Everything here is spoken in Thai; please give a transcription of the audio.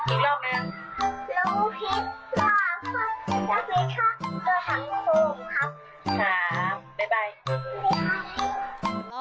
อีกรอบนึง